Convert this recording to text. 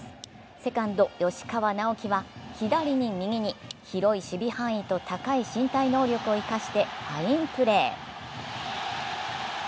セカンド・吉川尚輝は左に右に広い守備範囲と高い身体能力を生かしてファインプレー。